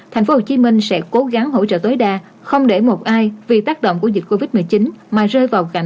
thành phố hồ chí minh sẽ cố gắng hỗ trợ tối đa không để một ai vì tác động của dịch covid một mươi chín mà rơi vào cảnh khốn khổ khó khăn